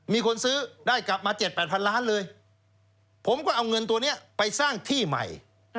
มีคนซื้อได้กลับมา๗๘พันล้านเลยผมก็เอาเงินตัวนี้ไปสร้างที่ใหม่